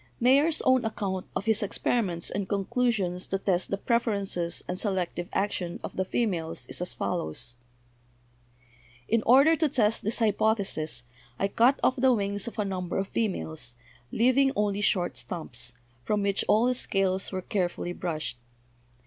Mayer's own account of 222 BIOLOGY his experiments and conclusions to test the preferences and selective action of the females is as follows : "In order to test this hypothesis I cut off the wings of a number of females, leaving only short stumps, from which all the scales were carefully brushed.